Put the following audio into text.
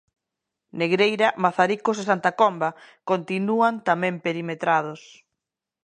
Negreira, Mazaricos e Santa Comba continúan tamén perimetrados.